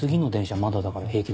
まだだから平気だよ？